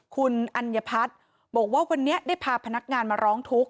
คุณอัญพัฒน์บอกว่าวันนี้ได้พาพนักงานมาร้องทุกข์